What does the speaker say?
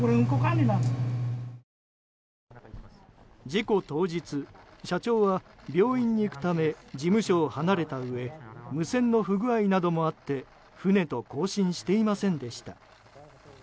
事故当日、社長は病院に行くため事務所を離れたうえ無線の不具合などもあって船と交信していませんでした。